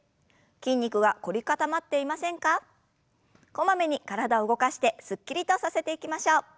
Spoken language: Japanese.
こまめに体を動かしてすっきりとさせていきましょう。